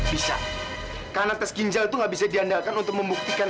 bisa karena tes ginjal itu nggak bisa diandalkan untuk membuktikan